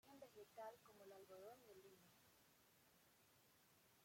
Y de origen vegetal como el algodón y el lino.